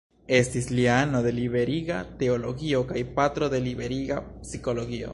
Estis li ano de Liberiga Teologio kaj patro de Liberiga Psikologio.